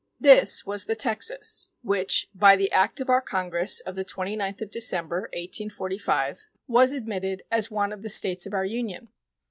This was the Texas which by the act of our Congress of the 29th of December, 1845, was admitted as one of the States of our Union.